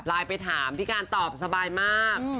ไปถามพี่การตอบสบายมาก